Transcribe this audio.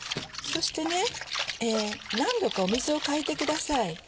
そして何度か水を替えてください。